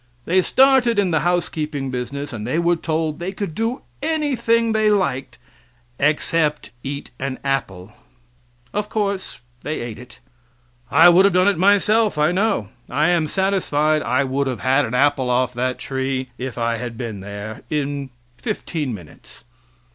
They started in the housekeeping business, and they were told they could do anything they liked except eat an apple. Of course they ate it. I would have done it myself I know. I am satisfied I would have had an apple off that tree, if I had been there, in fifteen minutes.